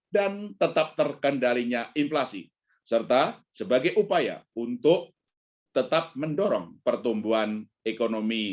dan tetap terkendalinya inflasi serta sebagai upaya untuk tetap mendorong pertumbuhan ekonomi